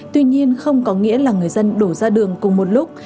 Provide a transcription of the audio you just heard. tuy nhiên không có nghĩa là người dân đổ ra đường cùng một lúc